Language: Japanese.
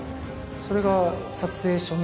それが撮影初日